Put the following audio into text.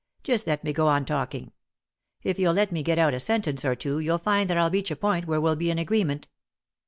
Just let me go on talking. If you'll let me get out a sentence or two you'll find I'll reach a point where we'll be in agreement.